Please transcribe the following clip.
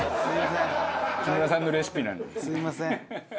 すみません。